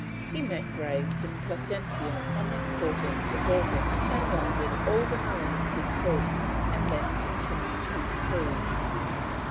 He met Graves at Placentia on 14th August, and landed all the marines he could, and then continued his cruise.